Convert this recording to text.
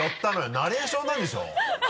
ナレーションなんでしょ？